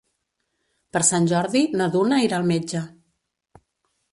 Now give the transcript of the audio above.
Per Sant Jordi na Duna irà al metge.